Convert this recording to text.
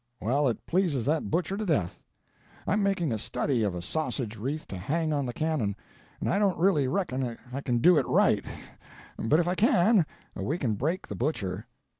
Well, it pleases that butcher to death. I'm making a study of a sausage wreath to hang on the cannon, and I don't really reckon I can do it right, but if I can, we can break the butcher."